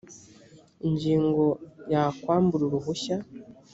ingingo ya kwambura uruhushya